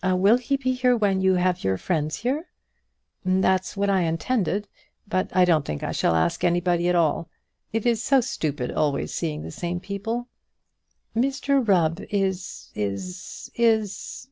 will he be here when you have your friends here?" "That's what I intended; but I don't think I shall ask anybody at all. It is so stupid always seeing the same people." "Mr Rubb is is is